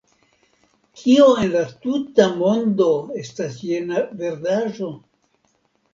Kio en la tuta mondo estas jena verdaĵo?